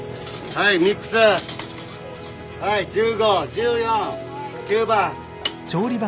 はい１５１４９番。